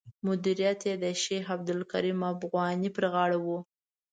مدیریت یې د شیخ عبدالکریم افغاني پر غاړه و.